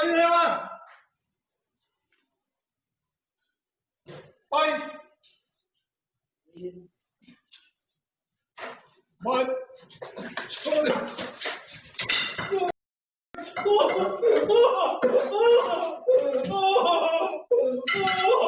โน้ทจะมีมีใจแล้วไหมอ่ะ